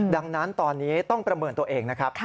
ดังนั้นตอนนี้ต้องประเมินตัวเองนะครับ